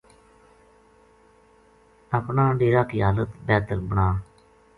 اپنا ڈیرا کی حالت بہتر بناں